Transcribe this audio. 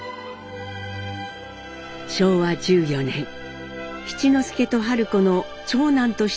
昭和１４年七之助と春子の長男として生まれたのが禎穗。